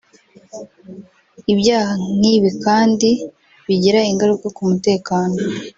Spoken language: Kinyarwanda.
Ibyaha nk’ibi kandi bigira ingaruka ku mutekano